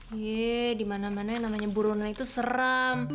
yee di mana mana yang namanya boronan itu serem